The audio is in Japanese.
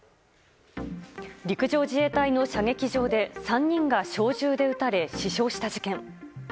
陸上自衛隊の射撃場で３人が小銃で撃たれ死傷した事件。